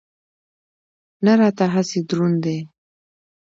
نه راته هسې دروند دی.